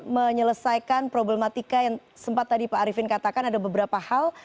menyelesaikan problematika yang sempat tadi pak arifin katakan ada beberapa hal